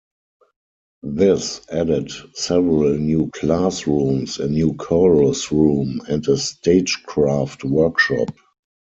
This added several new classrooms, a new chorus room, and a stagecraft workshop.